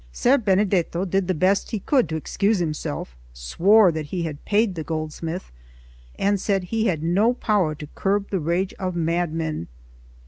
Ser Benedetto did the best he could to excuse himself, swore that he had paid the goldsmith, and said he had no power to curb the rage of madmen.